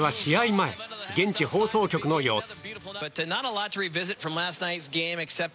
前現地放送局の様子。